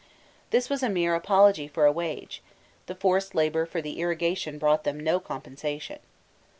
This was a mere apology for a wage: the forced labour for the irrigation brought them no compensation.